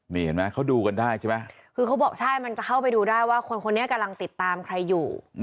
นี่เห็นไหมเขาดูกันได้ใช่ไหมคือเขาบอกใช่มันจะเข้าไปดูได้ว่าคนคนนี้กำลังติดตามใครอยู่